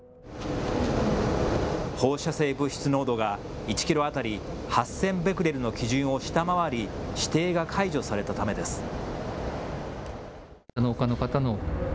放射性物質濃度が１キロ当たり８０００ベクレルの基準を下回り指定が解除されたためです。